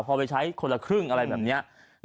พอไปใช้คนละครึ่งอะไรแบบนี้